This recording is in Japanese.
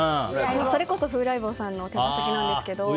それこそ風来坊さんの手羽先なんですけど。